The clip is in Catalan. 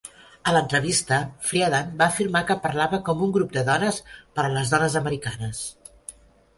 A l'entrevista, Friedan va afirmar que parlava com un grup de dones per a les dones americanes.